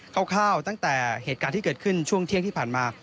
ร่าวตั้งแต่เหตุการณ์ที่เกิดขึ้นช่วงเที่ยงที่ผ่านมา